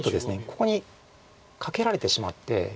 ここにカケられてしまって。